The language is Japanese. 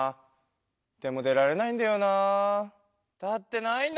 でも出られないんだよなあ。